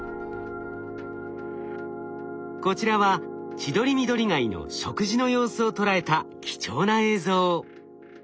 こちらはチドリミドリガイの食事の様子を捉えた貴重な映像。